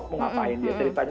mau ngapain dia ceritanya